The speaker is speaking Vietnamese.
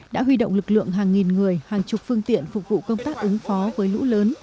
đã huy động lực lượng hàng nghìn người hàng chục phương tiện phục vụ công tác ứng phó với lũ lớn